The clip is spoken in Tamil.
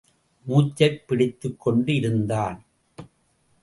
மூச்சைப் பிடித்துக்கொண்டு இருந்தான்.